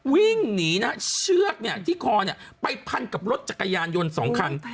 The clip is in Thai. วิ่งหนีนะฮะเชือกที่คอไปพันกับรถจักรยานยนต์๒คัน